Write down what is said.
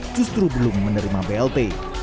justru belum menerima blt